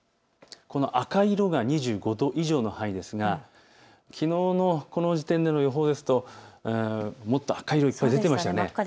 赤い色が２５度以上の範囲ですがきのうのこの時点での予報ですともっと赤色がいっぱい出ていました。